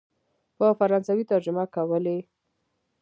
په فرانسوي ترجمه کولې.